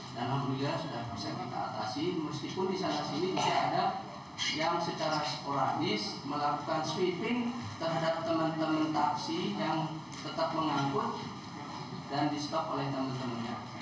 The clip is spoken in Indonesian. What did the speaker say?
dan alhamdulillah sudah bisa kita atasi meskipun di sana sini tidak ada yang secara seporanis melakukan sweeping terhadap teman teman taksi yang tetap mengangkut dan distop oleh teman temannya